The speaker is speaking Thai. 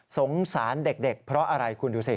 สงสารเด็กเพราะอะไรคุณดูสิ